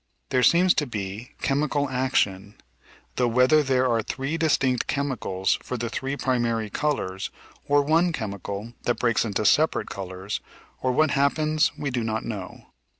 There seems to be chemical action, though whether there are three distinct chemicals for the three pri mary colours, or one chemical that breaks into separate colours, or what happens, we do not know.